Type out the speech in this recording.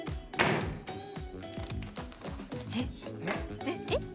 えっ？えっ？